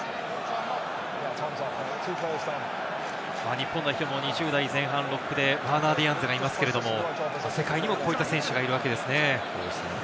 日本代表も二十代前半でロックのワーナー・ディアンズがいますが、世界にもこういった選手がいますね。